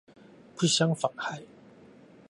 不相妨害